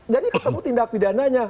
jadi ketemu tindak pidananya